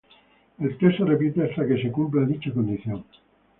El test se repite hasta que se cumpla dicha condición.